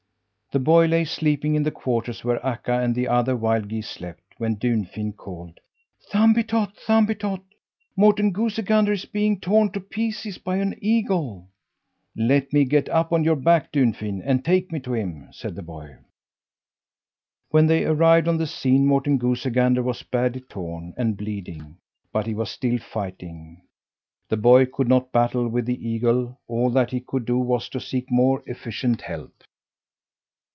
The boy lay sleeping in the quarters where Akka and the other wild geese slept, when Dunfin called: "Thumbietot, Thumbietot! Morten Goosey Gander is being torn to pieces by an eagle." "Let me get up on your back, Dunfin, and take me to him!" said the boy. When they arrived on the scene Morten Goosey Gander was badly torn, and bleeding, but he was still fighting. The boy could not battle with the eagle; all that he could do was to seek more efficient help.